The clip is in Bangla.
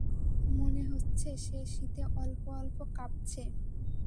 মনে হচ্ছে সে শীতে অল্প অল্প কাঁপছে।